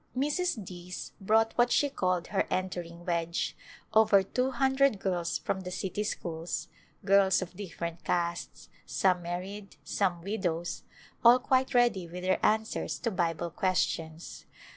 Mrs. Dease brought what she called her " Entering Wedge," over two hundred girls from the city schools, girls of different castes, some married, some widows, all quite ready with their answers to Bible questions.